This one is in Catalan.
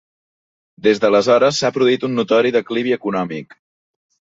Des d'aleshores, s'ha produït un notori declivi econòmic.